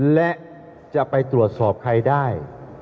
และจะไปตรวจสอบใครได้